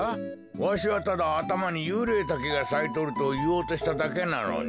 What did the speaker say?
わしはただあたまにユウレイタケがさいとるといおうとしただけなのに。